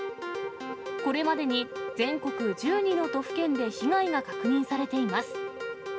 これまでに全国１２の都府県で被害が確認されています。